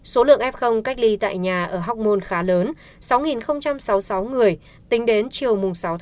số lượng f cách ly tại nhà ở hóc môn khá lớn sáu sáu mươi sáu người tính đến chiều sáu một mươi một